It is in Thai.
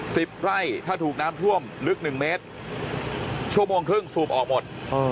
สิบไร่ถ้าถูกน้ำท่วมลึกหนึ่งเมตรชั่วโมงครึ่งสูบออกหมดเออ